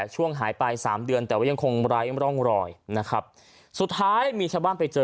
ช่วงหายไปสามเดือนแต่ว่ายังคงไร้ร่องรอยนะครับสุดท้ายมีชาวบ้านไปเจอ